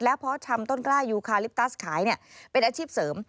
เพราะทำต้นกล้ายูคาลิปตัสขายเป็นอาชีพเสริม